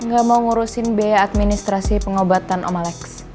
gak mau ngurusin biaya administrasi pengobatan om alex